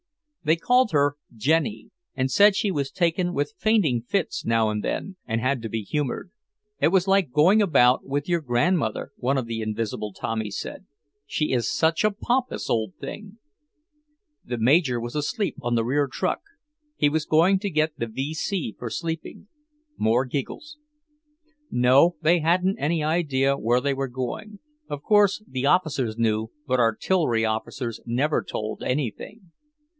They called her "Jenny," and said she was taken with fainting fits now and then, and had to be humoured. It was like going about with your grandmother, one of the invisible Tommies said, "she is such a pompous old thing!" The Major was asleep on the rear truck; he was going to get the V.C. for sleeping. More giggles. No, they hadn't any idea where they were going; of course, the officers knew, but artillery officers never told anything.